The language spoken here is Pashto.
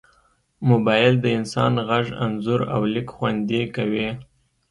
موبایل د انسان غږ، انځور، او لیک خوندي کوي.